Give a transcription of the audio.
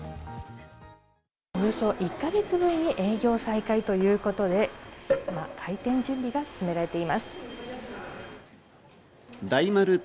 およそ１か月ぶりに営業再開ということで今、開店準備が進められています。